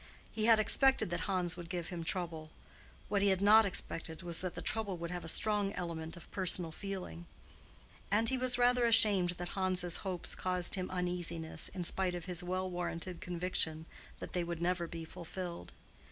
He had expected that Hans would give him trouble: what he had not expected was that the trouble would have a strong element of personal feeling. And he was rather ashamed that Hans's hopes caused him uneasiness in spite of his well warranted conviction that they would never be fulfilled.